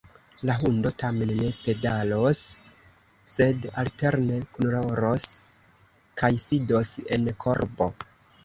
La hundo tamen ne pedalos, sed alterne kunkuros kaj sidos en korbo.